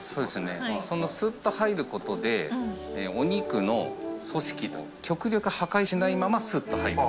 そのスッと入ることでお肉の組織を極力破壊しないままスッと入る。